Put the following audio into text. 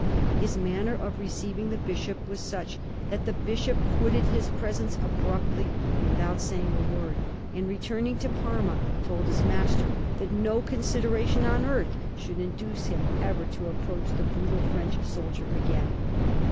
His manner of receiving the bishop was such that the bishop quitted his presence abruptly and without saying a word, and returning to Parma, told his master that no consideration on earth should induce him ever to approach the brutal French soldier again.